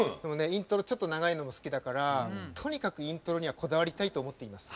イントロちょっと長いのも好きだからとにかくイントロにはこだわりたいと思っています。